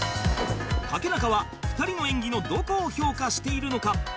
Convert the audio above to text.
竹中は２人の演技のどこを評価しているのか？